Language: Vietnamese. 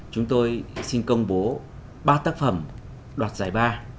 chúng tôi xin công bố ba tác phẩm đoạt giải ba